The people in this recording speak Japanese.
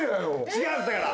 違うんですだから！